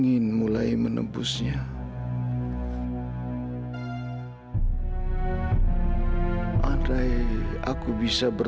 jika kau mendengar system saya